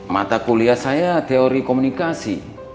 mata kuliah saya teori komunikasi